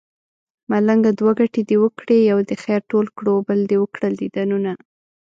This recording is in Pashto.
ملنګه دوه ګټې دې وکړې يو دې خير ټول کړو بل دې وکړل ديدنونه